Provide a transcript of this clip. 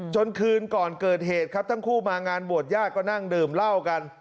คืนก่อนเกิดเหตุครับทั้งคู่มางานบวชญาติก็นั่งดื่มเหล้ากัน